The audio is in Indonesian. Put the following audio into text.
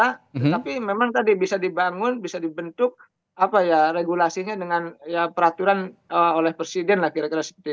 tetapi memang tadi bisa dibangun bisa dibentuk regulasinya dengan peraturan oleh presiden lah kira kira seperti itu